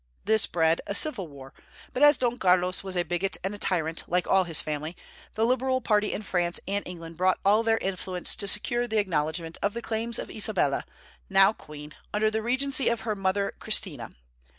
This bred a civil war; but as Don Carlos was a bigot and tyrant, like all his family, the liberal party in France and England brought all their influence to secure the acknowledgment of the claims of Isabella, now queen, under the regency of her mother Christina.